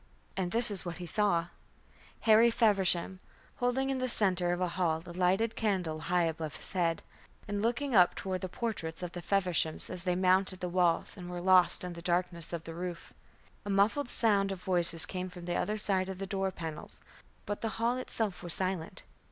And this is what he saw: Harry Feversham, holding in the centre of the hall a lighted candle high above his head, and looking up toward the portraits of the Fevershams as they mounted the walls and were lost in the darkness of the roof. A muffled sound of voices came from the other side of the door panels, but the hall itself was silent.